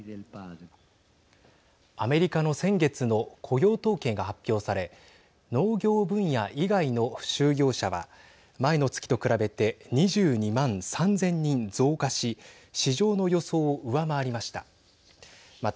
アメリカの先月の雇用統計が発表され農業分野以外の就業者は前の月と比べて２２万３０００人増加し市場の予想を上回りました。